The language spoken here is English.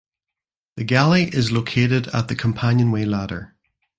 The galley is located at the companionway ladder.